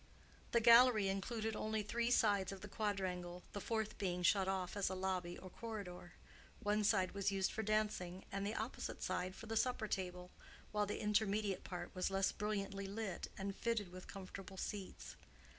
The gallery included only three sides of the quadrangle, the fourth being shut off as a lobby or corridor: one side was used for dancing, and the opposite side for the supper table, while the intermediate part was less brilliantly lit, and fitted with comfortable seats.